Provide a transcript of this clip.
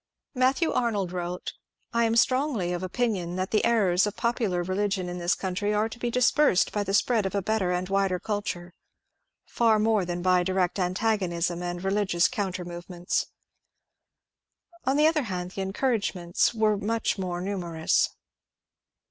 Matthew Arnold wrote, " I am strongly of opinion that the errors of popular religion in this country are to be dispersed by the spread of a better and wider cidture, far more than by direct antagonism and reli gious coimter movements." On the other hand, the encourage ments were much more numerous.